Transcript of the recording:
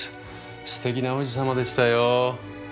すてきな王子様でしたよ。